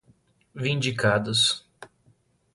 vindicados